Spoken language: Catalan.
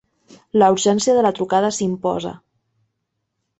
La urgència de la trucada s'imposa.